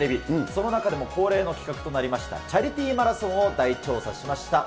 その中でも、恒例の企画となりました、チャリティーマラソンを大調査しました。